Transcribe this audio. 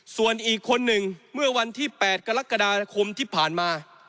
ส่วนอีกคนหนึ่งเมื่อวันที่๘กรกฎาคมที่ผ่านมา